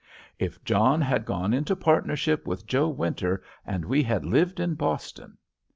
"If John had gone into partnership with Joe Winter and we had lived in Boston."